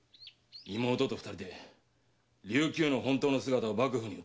妹と二人で琉球の本当の姿を幕府に訴える。